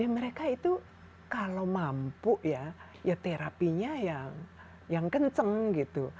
mereka itu kalau mampu ya ya terapinya yang kenceng gitu